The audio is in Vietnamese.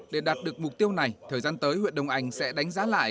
để đạt được mục tiêu này thời gian tới huyện đông anh sẽ đánh giá lại